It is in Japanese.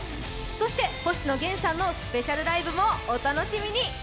そして星野源さんのスペシャルライブもお楽しみに！